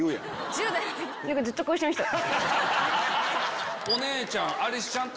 １０代の時ずっとこうしてました。